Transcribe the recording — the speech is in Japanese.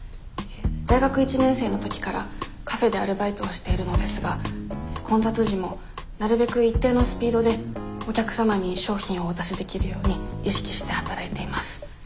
大学１年生の時からカフェでアルバイトをしているのですが混雑時もなるべく一定のスピードでお客様に商品をお渡しできるように意識して働いています。